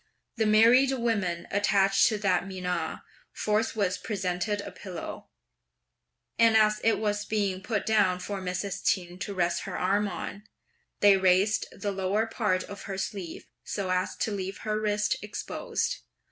The married women attached to that menage forthwith presented a pillow; and as it was being put down for Mrs. Ch'in to rest her arm on, they raised the lower part of her sleeve so as to leave her wrist exposed.